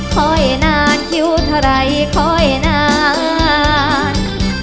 ค่อยนานคิ้วเท่าไรค่อยนาน